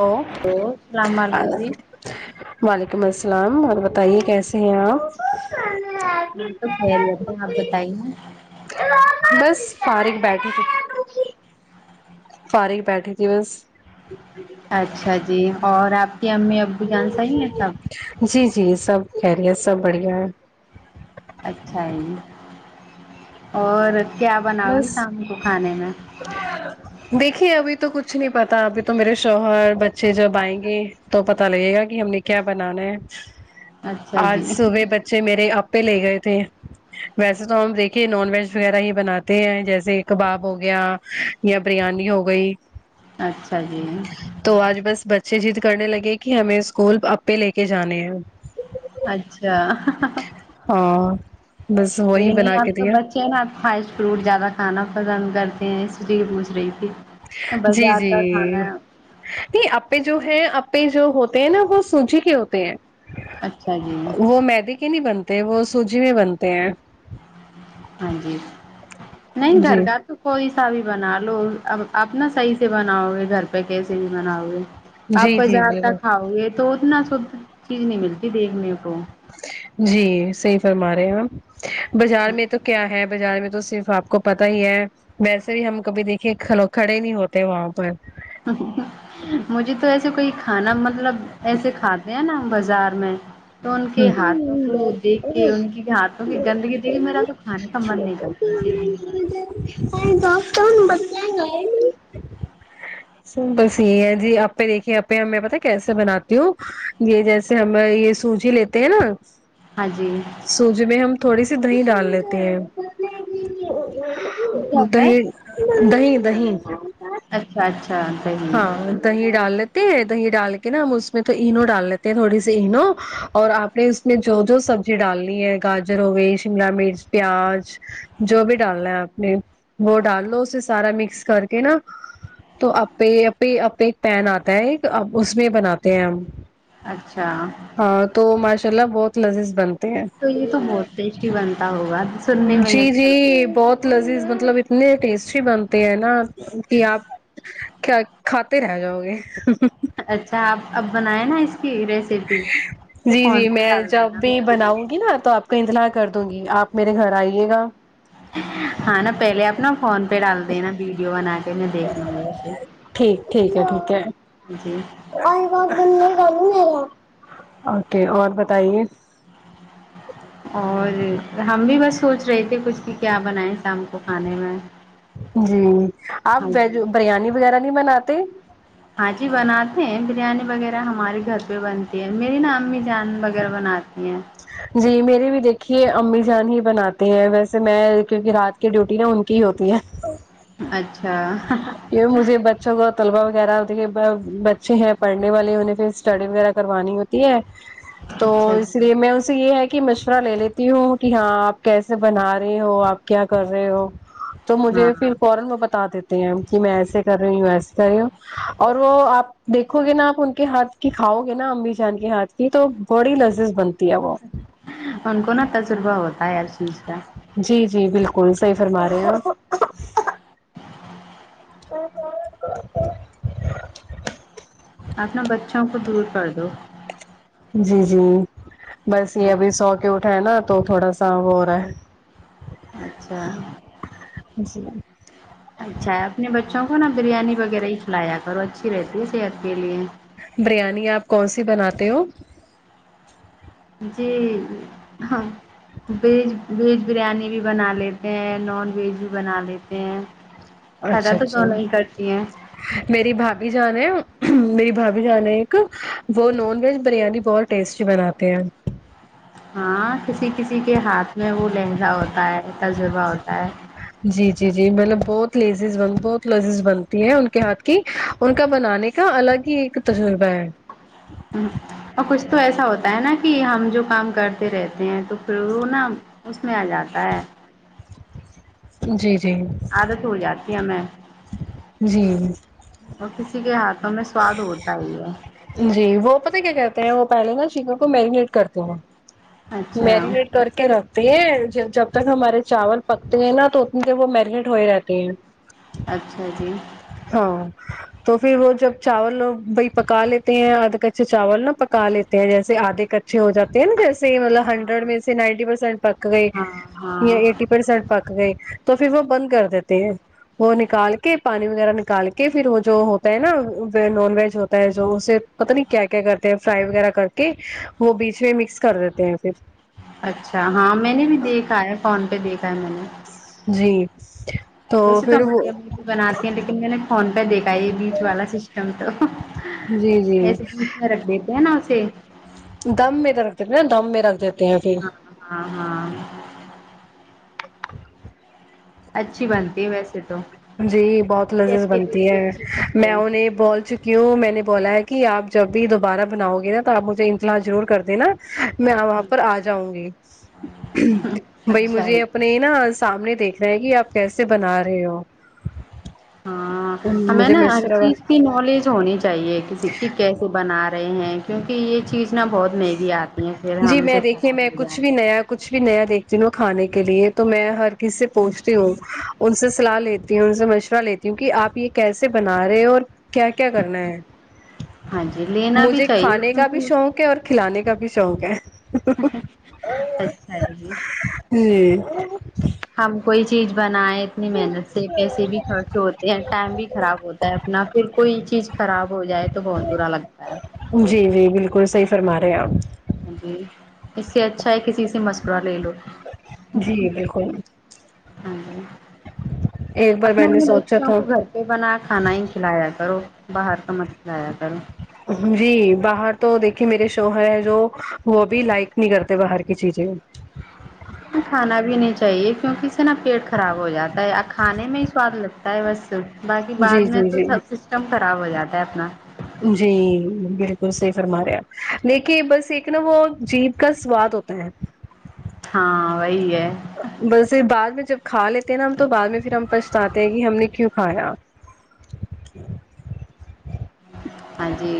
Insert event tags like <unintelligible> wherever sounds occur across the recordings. او hello السلام ا علیکم جی وعلیکم السلام اور بتائیے کیسے ہیں آپ ہم تو خیریت ہیں آپ بتائیے بس فارغ بیٹھے تھے فارغ بیٹھی تھی بس اچھا جی اور آپ کی امی ابو جان صحیح ہیں سب جی جی سب خیریت سب بڑھیا ہے اچھا جی اور کیا بناؤ گی بس شام کو کھانے میں دیکھیے ابھی تو کچھ نہیں پتا ابھی تو میرے شوہر بچے جب آئیں گے تو پتا لگے گا کہ ہم نے کیا بنانا ہے اچھا آج جی صبح بچے میرے اپ پہ لے گئے تھے ویسے تو ہم دیکھیے نان ویج وغیرہ ہی بنا تے ہیں جیسے کباب ہو گیا یا بریانی ہو گئی اچھا جی تو آج بس بچے ضد کرنے لگے کہ ہمیں اسکول اپے لے کے جانے ہیں اچھا ہاں بس وہی بنا کے دیا کیا آپ فسٹ فروٹ زیادہ کھانا پسند کرتے ہیں اس لیے پوچھ رہی تھی جی بازار جی کا کھانا نہیں اپے جو ہے اپے جو ہوتے ہیں نا وہ سوجی کے ہوتے ہیں اچھا جی وہ میدے کے نہیں بنتے وہ سوجی میں بنتے ہیں ہاں جی نہیں گھر جی کا تو کوئی سا بھی بنا لو اب آپ نا صحیح سے بناؤ گے گھر پہ کیسے بھی بناؤ گے آپ جی جی بازار کا بالکل کھاؤ گے تو اتنا شدھ چیز نہیں ملتی دیکھنے کو جی صحیح فرما رہے ہیں آپ بازار نے تو کیا ہے بازار میں تو صرف آپ کو پتہ ہی ہے ویسے بھی ہم کبھی دیکھیے کھلو کھڑے نہیں ہوتے وہاں پر <unintelligible> مجھے تو ایسے کوئی کھانا مطلب ایسے کھاتے ہیں نا بازار میں تو ان کے ہاتھوں کو دیکھ کے ان کے ہاتھوں کی گندگی دیکھ کے میرا تو کھانے کا من نہیں کرتا <unintelligible> <unintelligible> س بس یہی ہے جی آپے دیکھیے اپے ہم میں پتا ہے کیسے بناتی ہوں یہ جیسے ہم یہ سوجی لیتے ہیں نا ہاں جی سوجی میں ہم تھوڑی سی دہی ڈال لیتے ہیں کیا ہوتا ہے دہی دہی دہیں اچھا اچھا دہی ہاں دہی ڈال لیتے ہیں دہی ڈال کے نا ہم اس میں تو اینو ڈال لیتے ہیں تھوڑی سی اینو اور آپ نے اس میں جو جو سبزی ڈالنی ہے گاجر ہو گئی شملہ مرچ پیاز جو بھی ڈالنا ہے آپ نے وہ ڈال لو اسے سارا مکس کر کے نا تو آپے آپے آپے پین آتا ہے ایک اس میں بناتے ہیں ہم اچھا ہاں تو ماشاء اللہ بہت لذیز بن تو یہ تو بہت ٹیسٹی بنتا ہوگا سننے میں ہی اچھا لگتا لذیز مطلب اتنے ٹیسٹی بنتے ہیں نا کہ آپ ک کھاتے رہ جاؤ گے اچھا آپ اب بنائے نا اس کی ریسی جی جی میں جب بھی میں بناؤں دیکھ گی لوں نا تو آپ کو اطلاع کر دوں گی آپ میرے گھر آئیے گا ہاں نا پہلے اپنا فون پہ ڈال دینا ویڈیو بنا پہلے دیکھنا میرے سے ٹھیک ٹھیک ہے ٹھیک ہے جی اوکے اور بتائیے اور ہم بھی بس سوچ رہے تھے کچھ کہ کیا بنائے شام کو کھانے میں جی آپ ہاں ویج جی بریانی وغیرہ نہیں بناتے ہاں جی بناتے ہیں بریانی وغیرہ ہمارے گھر پہ بنتی ہے میری نا امی جان وغیرہ بناتی ہیں جی میرے بھی دیکھیے امی جان ہی بناتی ہیں ویسے میں کیونکہ رات کی ڈیوٹی نا ان کی ہی ہوتی ہے اچھا اچھے ہوا طلبا وغیرہ ہوتی ہے ب بچے ہیں پڑھنے والے انہیں پھر اسٹڈی وغیرہ کروانی ہوتی ہے تو اچھا اس جی پے میں اس سے یہ ہے کہ مشورہ لے لیتی ہوں کہ ہاں آپ کیسے بنا رہے ہو آپ کیا کر رہے ہو تو ہاں مجھے پھر فورن وہ بتا دیتی ہیں کہ میں ایسے کر رہی ہوں یو ایسے کر رہی ہوں اور وہ آپ دیکھو گے نا آپ ان کے ہاتھ کی کھاؤ گے نا امی جان کے ہاتھ یہ تو بڑی لذیز بنتی ہے وہ ان کو نا تجربہ ہوتا ہے ہر چیز کا جی جی بالکل صحیح فرما رہے ہو آپ <unintelligible> اپنے بچوں کو درود پر دو جی جی بس یہ ابھی سو کے اٹھا ہے نا تو تھوڑا سا وہ ہو رہا ہے اچھا ہے جی اچھا اپنے بچوں کو نا بریانی وغیرہ ہی کھلایا کرو اچھی رہتی ہے صحت کے لیے بریانی آپ کون سی بناتے ہو جی ہم ویج ویج بریانی بھی بنا لیتے ہیں نان ویج بھی بنا لیتے ہیں فائدہ اچھا تو اچھا دونوں ہی کرتی ہیں میری بھابھی جان میری بھابھی جان ایک وہ نان ویج بریانی بہت ٹیسٹی بناتے ہیں ہاں کسی کسی کے ہاتھ میں وہ لہجا ہوتا ہے تجربہ ہوتا ہے جی جی جی مطلب بہت لیزز بن بہت لیزز بنتی ہیں ان کے ہاتھ کی ان کا بنانے کا الگ ہی ایک تجربہ ہے اور کچھ تو ایسا ہوتا ہے نا کہ ہم جو کام کرتے رہتے ہیں تو پھر وہ نا اس میں آ جاتا ہے جی جی عادت ہو جاتی ہمیں جی اور کسی کے ہاتھ ہمیں سواد ہوتا ہی ہے جی وہ پتہ کیا کہتے ہیں وہ پہلے نا سن کو میرینیٹ کرتے ہیں اچھا میرینیٹ کر کے رکھتے ہیں جب تک ہمارے چاول پکتے ہیں نا تو اتنے دیر وہ میرینیٹ ہو ہی جاتے ہیں <unintelligible> اچھا جی ہاں تو پھر وہ جب چاول بھائی پکا لیتے ہیں آدھا کچے چاول نہا پکا لیتے ہیں جیسے آدھے ک چے ہو جاتے ہیں نا جیسے مطلب ہنڈریڈ ہاں میں سے نائنٹی پرسینٹ پک گئے ہاں یا ہاں ایٹ پرسٹ پک گئی تو پھر وہ بند کر دیتی ہے وہ نکال کے پانی وغیرہ نکال کے پھر وہ جو ہوتا ہے نا نان ویج ہوتا ہے جو اسے پتا نہیں کیا کیا کرتے ہیں فرائی وغیرہ کر کے وہ بیچ میں مکس کر دیتے ہیں پھر اچھا ہاں میں نے بھی دیکھا ہے فون پہ دیکھا ہے میں نے جی ویسے تو پھر وہ ہماری امی بھی بناتی ہیں لیکن میں نے فون پہ دیکھا یہ بھی والا سسٹم تو جی جی ایسے بیچ میں رکھ دیتے ہیں نا اسے دم میں رکھ دیتے ہیں نا دم میں رکھ دیتے ہیں پھر ہاں ہاں ہاں <unintelligible> اچھی بنتی ہے ویسے تو جی بہت لزیز صحت کے لیے بنتی بھی ہے اچھی ہوتی میں ہے انہیں بول چکی ہوں میں نے بولا ہے کہ آپ جب بھی دوبارہ بناؤ گے نا تو آپ مجھے انطلاح ضرور کر دینا میں وہاں پر آ جاؤں گی بائی اچھا مجھے ہے یہ نے نا سامنے دیکھ رہے ہے کہ آپ کیسے بنا رہے ہو ہاں ہمیں مجھے نا ہر مشورہ چیز کی نالج ہونی چاہیے کہ کسی کی کیسے بنا رہے ہیں کیونکہ یہ چیز نہ بہت مہن گی آتی ہیں پھر جی ہم میں سے دیکھیے خراب میں ہو کچھ جائیں بھی نیا کچھ بھی نیا دیکھتی ہوں کھانے کے لیے تو میں ہر کسی سے پوچھتی ہوں ان سے صلاح لیتی ہوں ان سے مش ورہ لیتی ہوں کہ آپ یہ کیسے بنا رہے اور کیا کیا کرنا ہے ہاں جی لینا بھی مجھے چاہیے کھانے کا بھی کیونکہ شوق ہے اور کھلانے کا بھی شوق ہے اچھا ہے جی جی <unintelligible> ہم کوئی چیز بنائے اتنی محنت سے پیسے بھی خرچ ہوتے ہیں ٹائم بھی خراب ہوتا ہے اپنا پھر کوئی چیز خراب ہو جائے تو بہت برا لگتا ہے جی جی بالکل صحیح فرما رہے آپ جی اس سے اچھا ہے کسی سے مشورہ لے لو جی بالکل ہاں جی ایک بار میں اپنا نے اپنے سوچا بچوں تھا کو گھر پہ بنا کھانا ہی کھلایا کرو باہر کا مت کھلایا کرو جی باہر تو دیکھیے میرے شوہر ہے جو وہ بھی لائک نہیں کرتے باہر کی چیزیں کھانا بھی نہیں چاہیے کیونکہ اس سے نا پیٹ خراب ہو جاتا ہے کھانے میں ہی سواد لگ تا ہے بس باقی بعد جی میں جی تو جی سب سسٹم خراب ہو جاتا ہے اپنا جی بہتر صحیح فرما رہے اپ لیکے بس ایک نا وہ جیپ کا سواد ہوتا ہے ہاں وہی ہے بس بعد میں جب کھا لیتے ہیں نا ہم تو بعد میں پھر ہم پچھتاتے ہیں کہ ہم نے کیوں کھایا <unintelligible> ہاں جی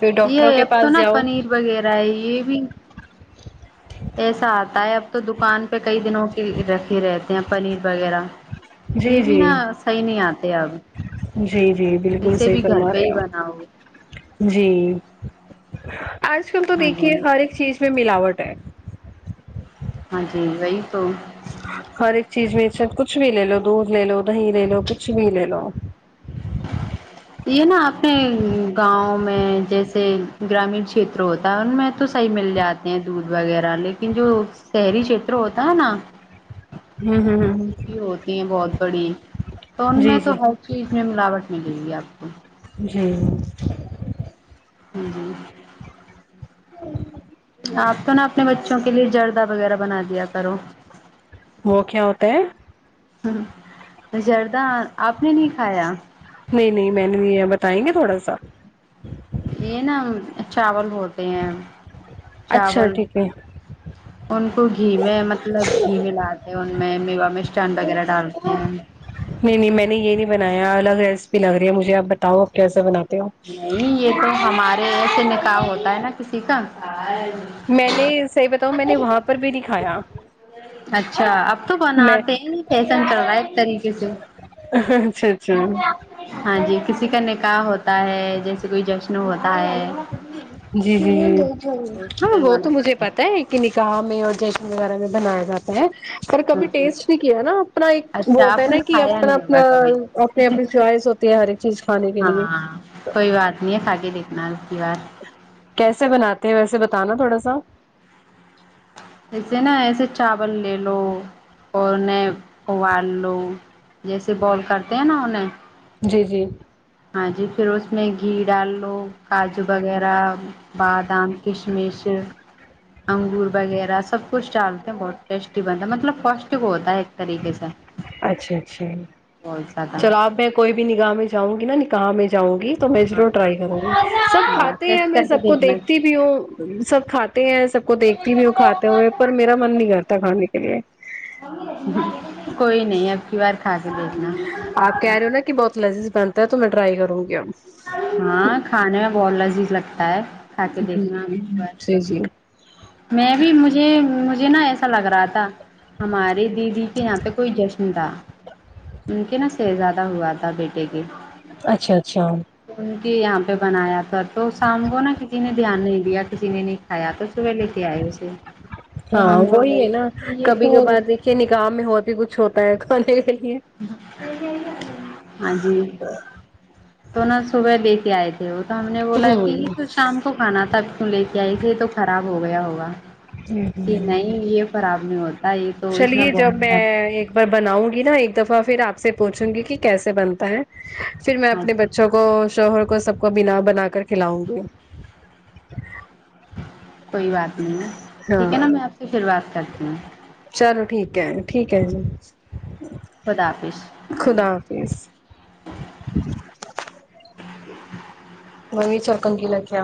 پھر ڈاکٹروں یہ کے اب تو پاس نا جاؤ پنیر وغیرہ ہے یہ بھی ایسا آتا ہے اب تو دکان پہ کئی دنوں کی رکھ ہی رہتے ہیں پنیر وغیرہ یہ جی بھی جی نا صحیح نہیں آتے اب جی جی بالکل اسے صحیح بھی گھر فرما پہ رہے ہی بن آپ جی آج کل تو ہاں جی دیکھیے ہر ایک چیز میں ملاوٹ ہے ہاں جی وہی تو ہر ایک چیز میں سے کچھ بھی لے لو دودھ لے لو دہی لے لو کچھ بھی لے لو یہ نا اپنے گاؤں میں جیسے گرامین چھیتر ہوتا ہے ان میں تو صحیح مل جاتے ہیں دودھ وغیرہ لیکن جو شہری چھیتر ہوتا ہے نا ہوں ہوں ہوں ہ ہوتی ہیں بہت بڑی تو ان جی میں تو جی ہر چیز میں ملاوٹ ملے گی آپ کو جی ہاں جی <unintelligible> آپ تو نا اپنے بچوں کے لیے جردہ وغیرہ بنا دیا کرو وہ کیا ہوتا ہے زردہ آپ نے نہیں کھایا نہیں نہیں میں نے یہ بتائیں گے تھوڑا سا یہ نا چاول ہوتے ہیں اچھا چاول ٹھیک ہے ان کو گھی میں مطلب گھی ملاتے ہیں ان میں میوا میں اسٹن وغیرہ ڈالتے ہیں نہیں نہیں میں نے یہ نہیں بنایا الگ ریسیپی لگ رہی ہے مجھے آپ بتاؤ آپ کیسا بناتے ہو نہیں یہ تو ہمارے ایسے نکاح ہوتا ہے نا کسی کا میں نے صحیح بتاؤں میں نے وہاں پر بھی نہی کھایا اچھا اب تو میں بناتے ہیں یہ فیشن چل رہا ہے ایک طریقے سے آ ہا اچھا اچھا ہاں جی کسی کا نکاح ہوتا ہے جیسے کوئی جشن ہوتا ہے تو جی جی اس ہاں میں وہ تو بناتے مجھے ہیں پتہ ہے کہ نکاح میں اور جشن وغیرہ میں بنایا جاتا ہے اور کبھی ٹیسٹ نہیں کیا نا اپنا ایک وہ اچھا ہوتا ہے آپ نا نے کہ کھایا اپنا نہیں اپنا ہوگا کبھی اپنی اپنی چوائس ہوتی ہے ہر ایک چیز کھانے کے لیے ہاں کوئی بات نہیں ہے کھا کے دیکھنا اب کی بار کیسے بناتے ہیں ویسے بتانا تھوڑا سا ایسے نا ایسے چاول لے لو اور انہیں ابال لو جیسے بئل کرتے ہیں نا انہیں جی جی ہاں جی پھر اس میں گھی ڈال لو کاجو وغیرہ بادام کش مش انگور وغیرہ سب کچھ ڈالتے ہیں بہت ٹیسٹی بنتا ہے مطلب پوشٹک کو ہوتا ہے ایک طریقے سے اچھے اچھے بہت زیادہ چلو اپ میں کوئی بھی نکاح میں جاؤں گی نا نکاح میں جاؤں گی تو میں ہاں ضرور ٹرائی کروں گی سب ہاں، کھاتے ہیں ٹیسٹ میں کر کے سب کو دیکھنا دیکھتی بھی ہوں سب کھاتے ہیں سب کو دیکھ تی ہوں کھاتے ہوئے پر میرا من نہیں کرتا کھانے کے لیے کوئی نہیں ہے اب کی بار کھا کے دیکھنا آپ کہہ رہے ہو نا کہ بہت لذیذ بنتا ہے تو میں ٹرائی کروں گی اب ہاں کھانے میں بہت لذیز لگتا ہے کھا کے جی دیکھنا اس بار جی جی میں بھی مجھے مجھے نا ایسا لگ رہا تھا ہماری دیدی کے یہاں پہ کوئی جشن تھا ان کے نا شہزا دہ ہوا تھا بیٹے کے اچھا اچھا ان کے یہاں پہ بنایا تھا تو شام کو نا کسی نے دھیان نہیں دیا کسی نے نہیں کھایا تو وہ لے کے آئے اسے تو ہاں ہم بول وہی ہے رہے نا تھے کہ یہ کبھی تو کبھار کہ نکاح میں ہو بھی کچھ ہوتا ہے کھانے کے لیے <unintelligible> ہاں جی تو نا صبح لے کے آئے تھے وہ تو ہم نے بولا کہ ہوں ہی کچھ شام کو کھانا تھا اب کیوں لے کے آئی تھے تو خراب ہو گیا ہوگا کہ نہیں یہ خراب نہیں ہوتا یہ تو اس میں چلیے جب بہت فرق ایک میں بناؤں گی نا ایک دفعہ پھر آپ سے پوچھوں گی کہ کیسے بنتا ہے پھر میں ہاں اپنے ب چوں کو شوہر کو سب کو بنا بنا کر کھلاؤں گی کوئی بات نہیں ہے ٹھیک ہے ہاں نا میں آپ سے پھر بات کرتی ہوں چلو ٹھیک ہے ٹھیک ہے جی خدا حافظ خدا حافظ وہی چرکن کیلا کیا